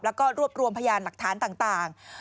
แล้วก็รวบรวมพยานหลักฐานต่าง